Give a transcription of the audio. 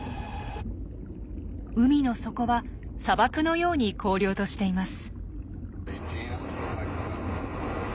海の底は砂漠のように荒涼としています。